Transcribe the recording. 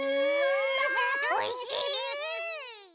おいしい！